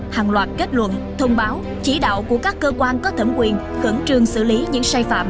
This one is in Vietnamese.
hàng loạt kết luận thông báo chỉ đạo của các cơ quan có thẩm quyền khẩn trương xử lý những sai phạm